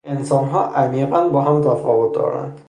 انسانها عمیقا با هم تفاوت دارند.